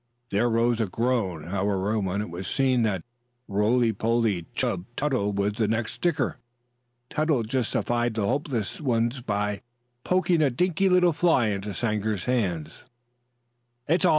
There rose a groan, however, when it was seen that roly poly Chub Tuttle was the next sticker. Tuttle justified the hopeless ones by popping a dinky little fly into Sanger's hands. "It's all off!